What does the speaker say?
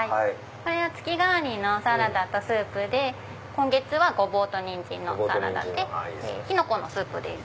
これは月替わりのサラダとスープで今月はゴボウとニンジンのサラダキノコのスープです。